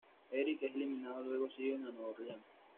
Eric es eliminado luego siguen a Nueva Orleans.